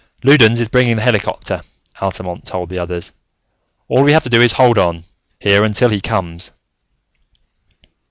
"Loudons is bringing the helicopter," Altamont told the others. "All we have to do is to hold on, here, until he comes."